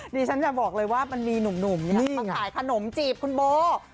ดิฉันจะบอกเลยว่ามันมีหนุ่มมาขายขนมจีบคุณโบ